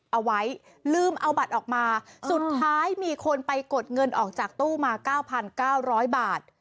เอาไว้ลืมเอาบัตรออกมาสุดท้ายมีคนไปกดเงินออกจากตู้มาเก้าพันเก้าร้อยบาท